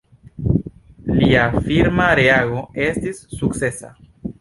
Lia firma reago estis sukcesa.